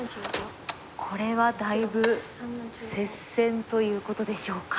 これはだいぶ接戦ということでしょうか。